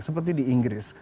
seperti di inggris